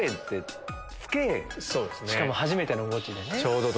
しかも初めてのゴチでね。